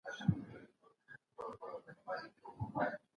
ما تېره اونۍ د یو غیرتي مبارز کیسه ولیکلې.